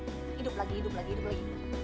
hidup lagi hidup lagi hidup lagi